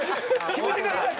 決めてください！